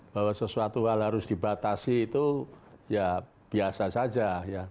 bahwa sesuatu hal harus dibatasi itu ya biasa saja